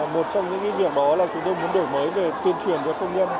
một trong những ý kiểm đó là chúng tôi muốn đổi mới về tuyên truyền cho công nhân